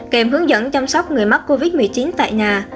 kèm hướng dẫn chăm sóc người mắc covid một mươi chín tại nhà